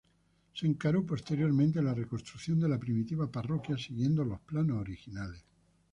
Se encaró posteriormente la reconstrucción de la primitiva parroquia, siguiendo los planos originales.